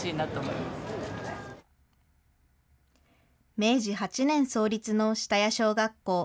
明治８年創立の下谷小学校。